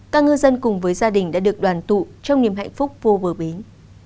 các ngư dân cùng với gia đình đã được đoàn tụ trong niềm hạnh phúc vô bờ bến